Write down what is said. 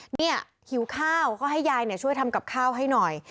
หิวข้าวก็ให้ยายช่วยทำกับข้าวให้หน่อย